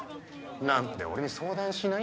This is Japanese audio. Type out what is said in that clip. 何で俺に相談しないんだ